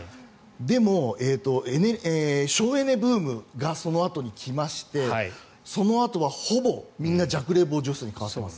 でも、省エネブームがそのあとに来ましてそのあとは、ほぼみんな弱冷房除湿に変わってます。